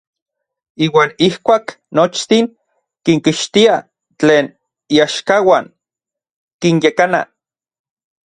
Iuan ijkuak nochtin kinkixtia tlen iaxkauan, kinyekana.